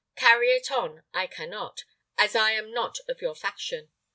Carry it on I can not, as I am not of your faction.